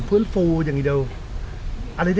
ฟื้นฟูอย่างเดียว